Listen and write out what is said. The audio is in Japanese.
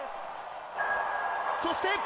そして。